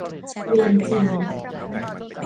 เวรจริง